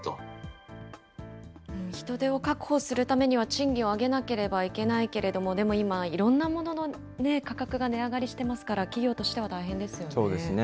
賃金を上げなければいけないけれども、でも今、いろんなものの価格が値上がりしていますから、企業としては大変そうですね。